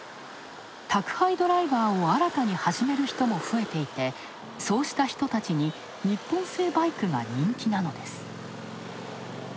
宅配ドライバーを新たに始める人も増えていて、そうした人たちに、日本製バイクが人気なのです。